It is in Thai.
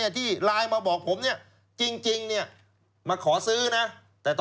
ทีไลน์มาบอกผมจริงมาขอซื้อ